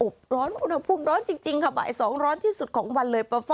ร้อนอุณหภูมิร้อนจริงค่ะบ่าย๒ร้อนที่สุดของวันเลย